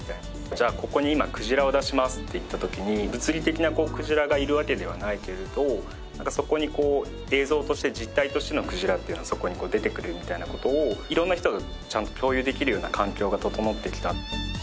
じゃあここに今クジラを出しますっていった時に物理的なクジラがいるわけではないけれどなんかそこに映像として実態としてのクジラっていうのはそこに出てくるみたいな事を色んな人がちゃんと共有できるような環境が整ってきた。